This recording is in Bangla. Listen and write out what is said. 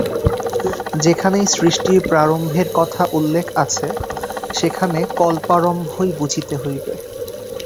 যেখানেই সৃষ্টির প্রারম্ভের কথার উল্লেখ আছে, সেখানে কল্পারম্ভই বুঝিতে হইবে।